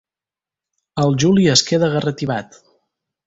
El Juli es queda garratibat.